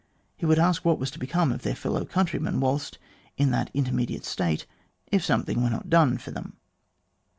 He would ask what was to become of their fellow countrymen, whilst in that intermediate state, if something were not done for them